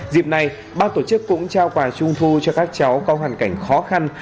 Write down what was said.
dịp này bác tổ chức cũng trao quà trung thu cho các cháu có hoàn cảnh khó khăn